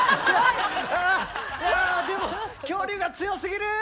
うわでも恐竜が強すぎる！